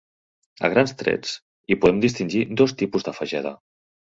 A grans trets hi podem distingir dos tipus de fageda.